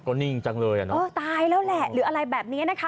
ก็นิ่งจังเลยตายแล้วแหละหรืออะไรแบบนี้นะคะ